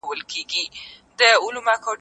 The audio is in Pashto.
کوم مومن نارينه يا ښځينه چي صالح عمل وکړي.